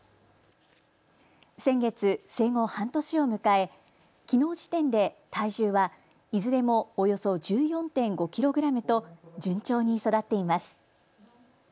先月、生後半年を迎え、きのう時点で体重はいずれもおよそ１４．５キログラムと順調に育っています。